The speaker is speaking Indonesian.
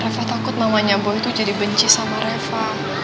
refa takut mamanya boy itu jadi benci sama reva